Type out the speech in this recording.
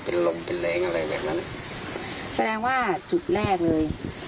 ถ้าผมจะรอตรงนี้มันจะวิ่งมาหาผม